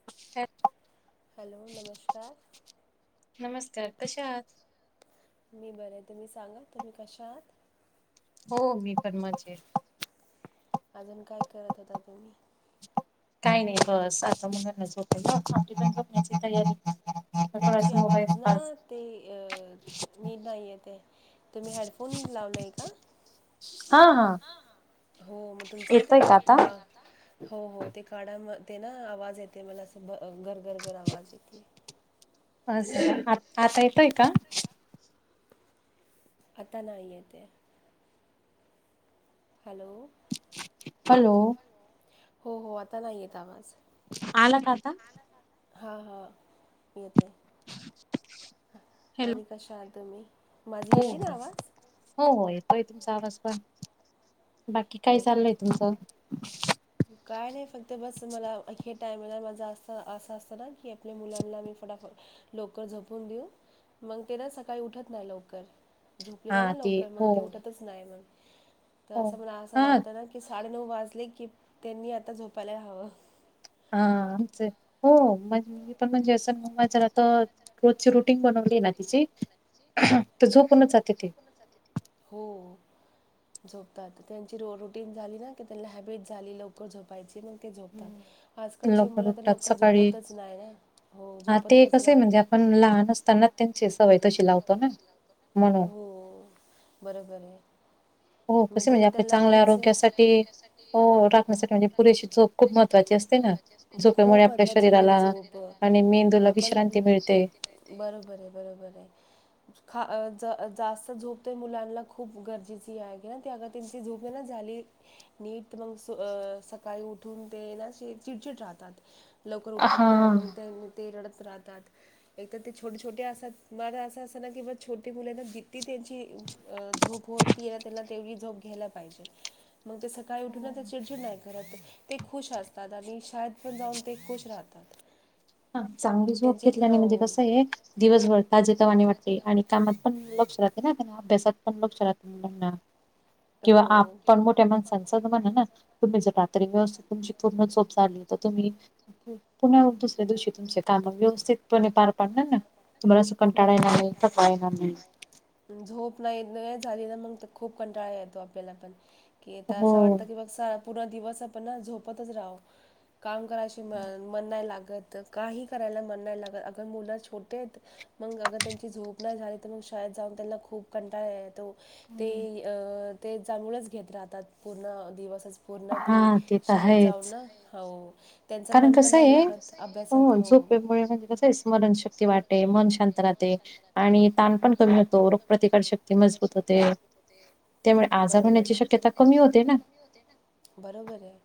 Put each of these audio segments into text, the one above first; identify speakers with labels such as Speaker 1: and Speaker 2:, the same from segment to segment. Speaker 1: [unintelligible]
Speaker 2: Hello नमस्कार
Speaker 1: नमस्कार कसे आहात
Speaker 2: मी बरं आहे तुम्ही सांगा तुम्ही कशा आहात
Speaker 1: हो मी पण मजेत
Speaker 2: अजून काय करत होता तुम्ही
Speaker 1: काही, नाही बस आता मुलांनाच होतण्याची तयारी
Speaker 2: तुमची आवाज ना ते अ मीट नाही येते तुम्ही हेडफोन लावला आहे का
Speaker 1: हा, हा
Speaker 2: हो मग तुमचं ना ते मा हो, हो ते काढा म ते ना आवाज येते मला अस गर, गर, गर आवाज येते
Speaker 1: अस आ आता येतोय का
Speaker 2: आता नाही ये ते हॅलो
Speaker 1: हॅलो
Speaker 2: हो, हो, आता नाही येत आवाज.
Speaker 1: आला का आता?
Speaker 2: हा हा येतय आणि कशा आल तुम्ही?
Speaker 1: हो, हो, येतोय तुमचा आवाज पण, बाकी काय चाललंय? तस [unintelligible]
Speaker 2: काय नाही फक्त बस मला ही टायमला माझा असं असं असतं ना की, आपल्या मुलांना मी फटाफट लवकर झपून देऊ, मग तेला सकाळी उठत ना लवकर. झोपलेला ना लवकर मग ते उठतच नाय मग, असं मला असं वाटत ना की साडे नऊ वाजले की, त्यांनी आता झोपायला हवं.
Speaker 1: हा चल हो म पण म्हणजे असं [unintelligible] म्माला तर रोजची रुटीन बनवली ना तिची तर झोपूणच
Speaker 2: झोपूणच जाते ती. हो, झोपतात त्यांची रुटीन झाली ना की त्यांना हॅबिट झाली ल कर झोपायचे मग ते झोपतात. आजकालची मुलं तर लवकर झोपतच नाही ना, हो झोपतच नाही.
Speaker 1: स् [unintelligible] त्यांची सवय तशी लावतो ना म्हणून.
Speaker 2: हो, बर बर आहे.
Speaker 1: हो कसे म्हणजे आपल्या चांगल्या आरोग्यासाठी, हो राखण्यासाठी म्हणजे पुरेशी झोप खूप महत्त्वाचे असते ना, झोप्यामुळे आपल्या शरीराला आणि मेंदूला विश्रांती मिळते.
Speaker 2: बरोबरय, बरोबरय, ख जास्त झोप तर मुलांना खूप गरजेची आहे. नाही त्या आता त्यांची झोपे ना झाली नीट मग सकाळी उठून ते ना चिडचिड राहतात. लवकर उठत नाही, मग ते ते रडत राहतात. एक तर ते छोटे -छोटे असात मला असं -असं ना की, ब छोटी मुलांना जितती त्यांची अ झोप होती त्याला तेवढी झोप घ्यायला पाहिजे, मग ते सकाळी उठून चिडचिड नाही करत. ते खुश असतात आणि शाळेत पण जाऊन ते खुश राहतात.
Speaker 1: ह चांगली झोप घेतली आणि म्हणजे कसं आहे दिवसभर ताजे तवाने वाटते आणि कामात पण लक्ष राहते ना त्यांना अभ्यासात पण लक्ष राहत. त्यांना, किंवा आपण मोठ्या माण तुम्ही जर रात्री तुमची व्यवस्थित पूर्ण झाली तर तुम्ही पुण्यास [unintelligible] त्या दिवशी तुमचे काम व्यवस्थितपणे पार पाडणार ना, तुम्हाला कंटाळा येणार नाही, थकवा येणार नाही.
Speaker 2: झोप नाही झाली ना मग खूप कंटाळा येतो आपल्याला पण, की तर असं वाटतं की बघ असा पूर्ण दिवस आपण ना झोपतच राहू, काम करायची म मन नाही लागत. तर काही करायला मन नाही लागत, आता मुलं छोटे आहेत. मग अग त्यांची झोप नाही झाली, तर मग शाळेत जाऊन त्यांना खूप कंटाळा येतो. ते ते जळच घेत राहतात पूर्ण दिवस पूर्ण ते शाळेत जाऊ ना, हो
Speaker 1: कारण कसं आहे, हो झोपेमुळे म्हणजे कसं आहे स्मरणशक्ती वाटते मन शांत राहते, आणि ताण पण क होतो प्रतिकार शक्ती
Speaker 2: प्रतिकार शक्ती मजबूत होते बरोबर होण्याची शक्यता कमी होते ना? बरोबर हे.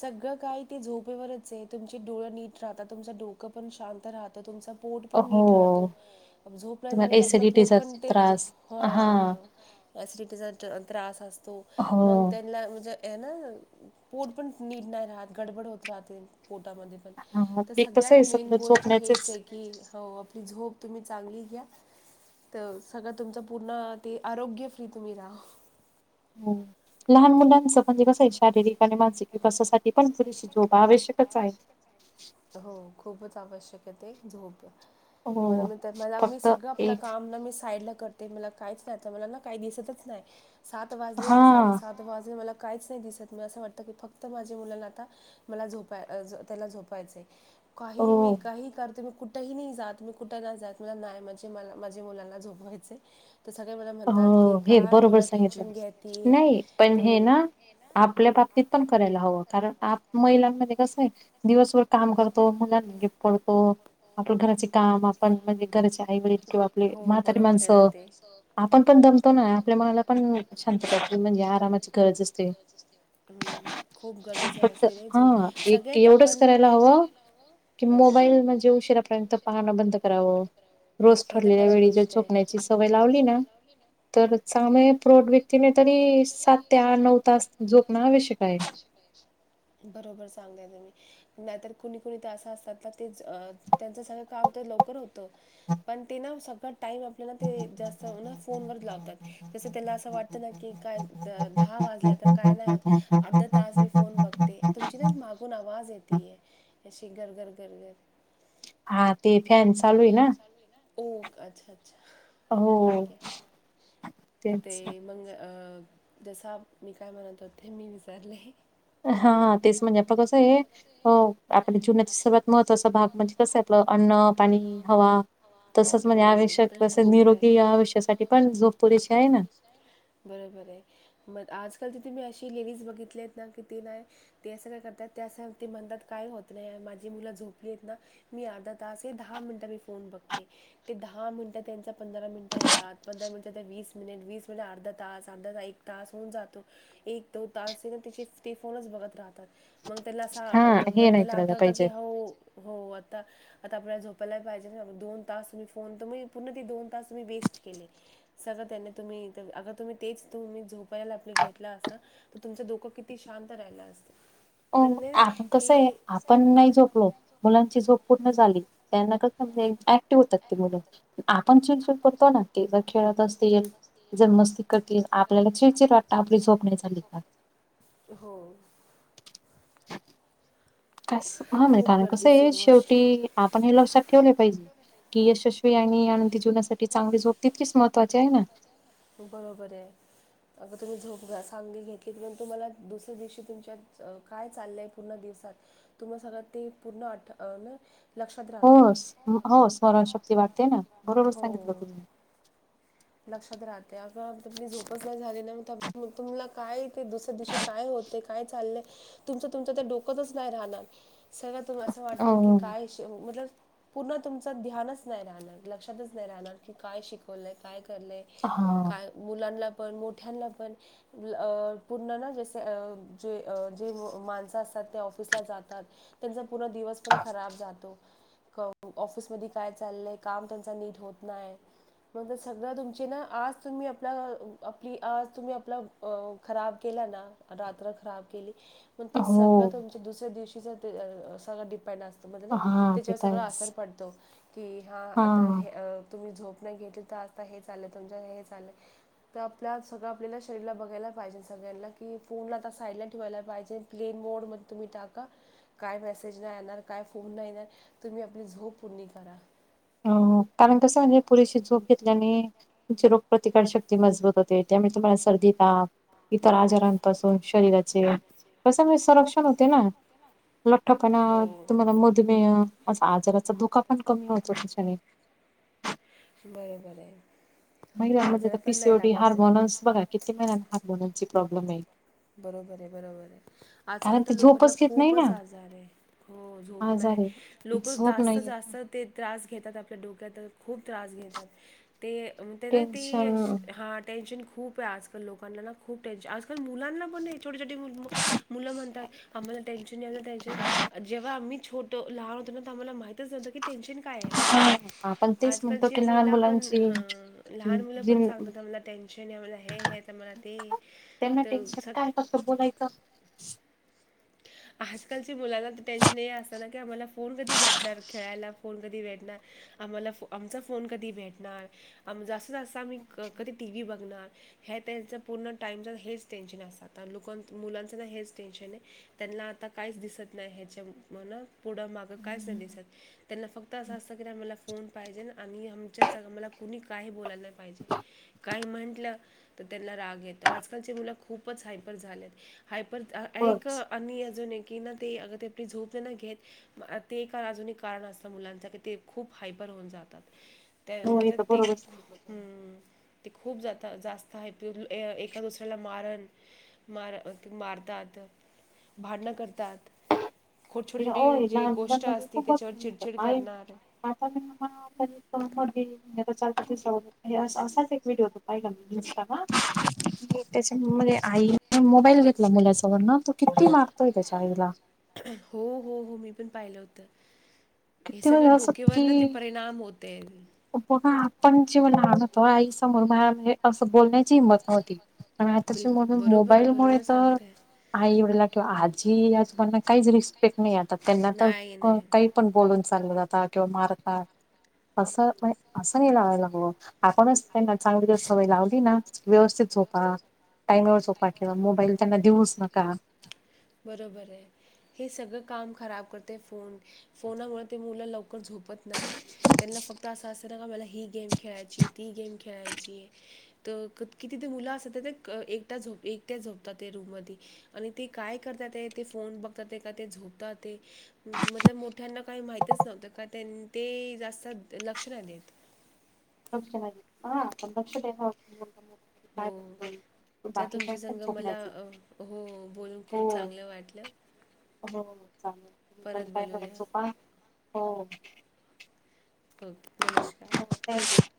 Speaker 2: सगळं काही ते झोपेवरच आहे तुमची डोळं नीट राहात तुमचं डोकं पण शांत राह तर तुमचा पोट पण नीट राहतो झोपनाय झाली तर आपलं पोट पण ते हो आ अससिडिटी च त्रास असतो मग त्यां ना म्हणजे [unintelligible] पोट पण नीट नाही राहत गडबड होत राहते पोटामध्ये. त सगळ्यात मेन गोष्ट हेचे कि हो आपली झोप तुम्ही चांगली घ्या त सगळं तुमच पुन्हा ते आरोग्य फ्री तुम्ही राहा.
Speaker 1: हो लहान मुलांचं म्हणजे कसं आहे शारीरिक आणि मानसिक विकासासाठी पण पुरीशी झोप आवश्यकच आहे.
Speaker 2: हो खूपच आवश्यकते झोप म्हणून मी म मी सगळं आपलं काम ना मी साईडला कर ते मला काहीच नाही तर मला ना काही दिसतच नाही सात वाजले ना साडेसात हो माझे मला काहीच नाही दिसत मी असं वाटतं की फक्त माझ्या मुलांना आता मला झोपाय अ झो त्याला झो पायचे काही मी काही करते कु ठंही नाही जात मी कुठं ना जात मला नाही म्हणजे मला माझे मुलांना झोपवायचे तर सगळे मला म्हणतात की का थोडं टेन्शन घेतीये तू?
Speaker 1: आपल्या बाबतीत पण करायला हवं कारण आप महिलांमध्ये कस आहे दिवसभर काम करतो, मुलां मागे पळतो. आपलं घराची काम आपण म्हणजे घराचे आई वडील किंवा आपले म्हातारी माणसं आपण पण दमतो ना आपल्या मनाला पण शांतता म्हणजे आरामाची
Speaker 2: खूप गरजेचे असते र झोप सगळ्यात आपण मेसेस करायला हव.
Speaker 1: कि मोबाईल म्हणजे उशीरापर्यंत पाहणं बंद करावं. रोस ठरलेल्या वेळी ज झोपण्याची सवय लावली ना तर चांगले प्रौढ व्यक्तीने तरी सात ते आ नऊ तास जोपणं आवश्यक आहे.
Speaker 2: बरोबर सांगताय तुम्ही नाहीतर कुणी कुणी तर असं असतात ना ते त्यांचं सगळं काम तर लवकर होतं. पण ते ना सगळं टाईम आपल्याला ते जास्त ना फोनवर लावतात. तसं त्याला असं वाटत ना की काय दहा वाजल्या तर काय नाही होतं. अर्ध तास मी फोन बघते तुमची ना मागून आवाज येतीय. अशी गर गर गर.
Speaker 1: हा ते फॅन चालू हे ना.
Speaker 2: ओक अच्छा अच्छा ठीक ये. ते मग अ जसा मी काय म्हणतो ते मी विचारले.
Speaker 1: हा तेच म्हणजे आत कसं ये. हो आपण जीवनाचा सर्वत महत्त्वाचा भाग म्हणजे कसं आहे आपलं अन्न, पाणी, हवा तसच म्हणे आयुष्यात कस निरोगी आवुष्यासाठी पण झोप पुोरची आहे ना?
Speaker 2: बरं बर आहे मग आजकाल तर तुम्ही अशी लेडीज बघितलेत ना किती नाय ते सगळं करतात ते ते म्हणतात काय होत नाही माझी मुलं झोपली आहेत ना मी अर्धा तास आहे दहा मिनिट मी फोन बघते. ते दहा मिनिटं त्यांच्या पंधरा मिनटं होतात पंधरा मिनिट वीस मिनिट वीस मि अर्ध अर्धा तास अर्धा त एक तास होऊन जातो एक दोन तासचे इवन तिची ती फोनच बघत राहतात मग त्याला असा मग त्याला आठवत की हो हो आता आता आपल्याला झोपायला पाहिजे ना. दोन तास त् फोन पूर्ण ते दोन तास मी वेस्ट केले. सगळं त्यांनी तुम्ही अग तुम्ही तेच तुम्ही झोपायला आपल घेतला असता. तर तुमच डोकं किती शांत राहिला असत.
Speaker 1: अ आ कसंये, आपण नाही झोपलो मुलांची झोप पूर्ण झाली. त्यांना कस म्हणजे ऍक्टिव्ह होतात ते मुलं. पण जे करतो ना, ते जर खेळात असतील, जर मस्ती करतील, आपल्याला पण चीडचीड वाट आपली झोप् नाही झाली का.
Speaker 2: हो.
Speaker 1: कास हा म्हणजे कारण कसंये शेवटी आपण हे लक्षात ठेवले पाहिजे. की यशस्वी आणि आनंदी जीवनासाठी चांगली झोप तितकीच महत्त्वाची आहे ना.
Speaker 2: बरोबरे. अग तुम्ही झोप सांगली घेतली. पण तुम्हाला दुसऱ्या दिवशी तुमच्यात काय चाललंय पूर्ण दिवसात तुम्हाला सगळं ते [inaudible]
Speaker 1: होस हो स्मरणशक्ती वाडते ना. बरोबर सांगितलं तुम्ही.
Speaker 2: लक्षात राहते. अग त झोपच नाही झाली ना, म तुमला काय ते दुसऱ्या दिवशी काय होतय काय चालय. तुमच तुमच ते डोकतच नाही राहणार. सगळ तुम अस वाणार की काय मतलब पूर्ण तुमच ध्यानच नाही राहणार. लक्षातच नाही राहणार की काय शिकवलय? काय करलंय.
Speaker 1: ह.
Speaker 2: मुलांना पण, मोठ्यांना पण. अ पूर्ण ना जसे जे जे माणसं असतात. ते ऑफिसला जातात. त्यांचा पूर्ण दिवस पण खराब जातो. हो ऑफिस मध्ये काय चालय? काम त्यां नीट होत नाही. म् सगळं तुमचे ना आज तुम्ही आपल आपली आज तुम्ही आपला खराब केला ना रात्र खराब केली. मग ते सगळं तुमच्या दुसऱ्या दिवशीच सगळं डिपेंड अस म्हणजे ना त्याच्यावर सगळं असर पडतो. की हा आता हे तुम्ही झोप नाही घेतली तर आता हे चाललंय तुमच्या हे चाललंय. तर आपल्या सगळं आपल्याला शरीरला बघायलाई पाहिजे सगळ्यांना. की फोन आता सायलेंट ठेवायला पाहिजे. प्लेन मोड मध्ये तुम्ही टाका. काय मेसेज नाही येणार. काय फोन नाही येणार. तुम्ही आपली झोप पूर्णी करा.
Speaker 1: हो कारण कसं म्हणजे पुरेशी झोप घेतल्याने, तुमची रोग प्रतिकार शक्ती मजबूत होते. त्यामुळे तुम्हाला सर्दी ताप इतर आजारांपा सून शरीराचे कसं म्हणजे संरक्षण होते ना. लठ्ठपणा, तुम्हाला मधुमेह. अस आजाराचा धोका पण कमी होतो त्याच्याने.
Speaker 2: बरोबरे.
Speaker 1: महिलामध्ये तर पीसीओडी हार्मोन्स बघा किती महिलाना हार्मोनसची प्रॉब्लेम आहे.
Speaker 2: बरोबरे बरोबरे. आजकाल तर लोकांला खूपच आजार आहे. हो झोप नाय. लोक जास्त जास्त ते त्रास घेतात. आपल्या डोक्यात खूप त्रास घेतात. ते ते ना ती हां टेन्शन खूपे आजकाल लोकांना ना खूप टेंशने आजकाल. मुलांना पणे. छोटे छोटे मु मुलं म्हणतात आम्हाला टेन्शने टेन्शने. जेव्हा आम्ही छोट लहान होतो ना. त आम्हाला माहितच नव्हतं की टेन्शन काय असते. आजकालची मुलं पण ह लहान मुलं पण सांगतात मला टेन्शने मला हे येत मला ते
Speaker 1: त्यांना टेन्शन काय कसं बोलायचं
Speaker 2: आजकालच्या मुलांना तर टेन्शन हे असतना की आम्हाला फोन कधी भेटणार खेळायला फोन कधी भेटणार आम्हाला आमचा फोन कधी भेटणार आम जास्त जास्त आम्ही कधी टी व्ही बघणार ह्या त्यांचं पूर्ण टाइमच हेच टेन्शन असतात तर [unintelligible] मुलांचं ना हेच टेन्शन हे. त्यांनला आता काहीच दिसत नाही ह्याच्या म्हणा पुढं मागं कायच नाही दिसत त्यांना फक्त असं असतं की आम्हाला फोन पाहिजे आणि आमच्या स आम्हाला कुणी काही बोलायला नाही पाहिजे काही म्हटलं तर त्यांना राग येतो आजकालचे मुलं खूपच हायपर झाल्यात हायपर एक आणि अजून आहे की ना ते अगं ते आपली झोप नाही ना घेत. म ते का अजून एक कारण असत मुलांच की ते खूप हायपर होऊन जातात. त्या मतलब ते हम्म ते खूप जात जास्त हायपुर अ एका दुसऱ्याला मारण मार मारतात भाडणं करतात खोट छोटी छोटी जे गोष्ट असती त्याच्यावर चिडचिड करणार.
Speaker 1: आता [inaudible] [unintelligible] असाच एक व्हिडिओ पाहिला मी इन्स्टाला येतच. म्हणजे आईने मोबाईल घेतला मुलांसमोर न तो किती माारतोय त्याच्या आईला.
Speaker 2: हो हो हो मी पण पाहिलं होतं हे सगळं डोक्यावरन ते परिणाम होत तेन.
Speaker 1: बघा आपण जेव्हा लहान होतो आई समोर बाहेर म्हणजे असं बोलण्या ची हिंमत नव्हती पण आताचे मुल मोबाईल मुळे तर आई वडिला किंवा आजी आजोबांना काहीच रिस्पेक्ट नाही आता त्यांना तर क काही पण बोलून चालले जातात किंवा मारतात असं असं नाही लागायला हव. आपणच त्यांना चांगली तर सवय लावली ना व्यवस्थित झोपा टाईमेवर झोपा किंवा मोबाईल त्यांना देऊच नका.
Speaker 2: बरोबर आहे हे सगळं काम खराब करते फोन फोना वरती मुलं लवकर झोपत नाही. त्यांना फक्त असं असत ना का मला ही गेम खेळायची ती गेम खेळायची. तर किती ते मुलं असतात एकट एकट्या झोपतात ते रूम मधी आणि ते काय करतात ते ते फोन बघतात ते का ते झोपतात ते मतलब मोठ्यांना काय माहीतच नव्हतं का त्यां ते जास्त लक्ष नाही देत.
Speaker 1: [unintelligible]
Speaker 2: चा तुमच संग मला अ हो बोलून खूप चांगलं वाटलं.
Speaker 1: हो चालेल [unintelligible] हो.
Speaker 2: हो नमस्कार.
Speaker 1: [inaudible]